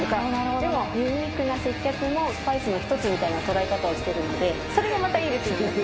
でも、ユニークな接客もスパイスの１つみたいな捉え方をしているそれがまたいいですよね。